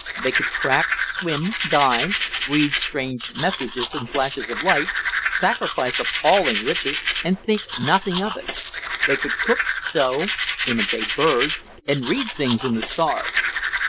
They could track, swim, dive, read strange messages in flashes of light, sacrifice appalling riches and think nothing of it. They could cook, sew, imitate birds, and read things in the stars.